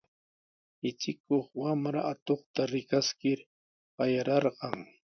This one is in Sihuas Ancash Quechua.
Michikuq wamra atuqta rikaskir qayararqan.